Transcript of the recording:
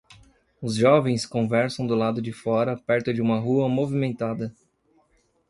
Os jovens conversam do lado de fora perto de uma rua movimentada.